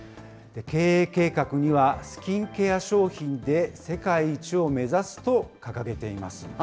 経営計画には、スキンケア商品で世界一を目指すと掲げています。